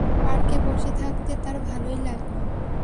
পর্কে বসে থাকতে তাঁর ভালোই লাগল।